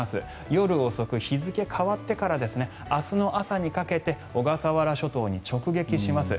夜遅く、日付が変わってから明日の朝にかけて小笠原諸島に直撃します。